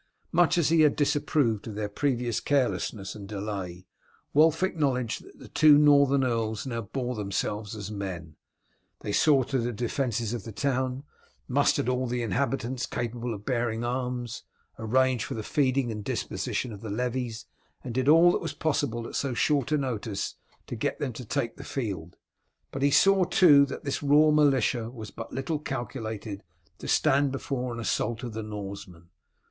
Much as he had disapproved of their previous carelessness and delay, Wulf acknowledged that the two northern earls now bore themselves as men. They saw to the defences of the town, mustered all the inhabitants capable of bearing arms, arranged for the feeding and disposition of the levies, and did all that was possible at so short a notice to get them to take the field. But he saw, too, that this raw militia was but little calculated to stand before the assault of the Norsemen.